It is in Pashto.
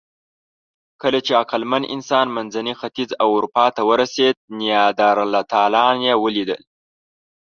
کله چې عقلمن انسان منځني ختیځ او اروپا ته ورسېد، نیاندرتالان یې ولیدل.